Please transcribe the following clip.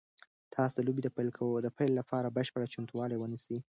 تاسو د لوبې د پیل لپاره بشپړ چمتووالی ونیسئ.